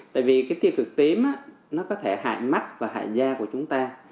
tại vì cái tiêu cực tím nó có thể hại mắt và hại da của chúng ta